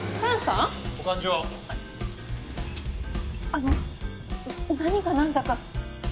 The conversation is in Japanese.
あの何がなんだか。